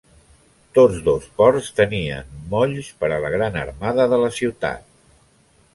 Tots dos ports tenien molls per a la gran armada de la ciutat.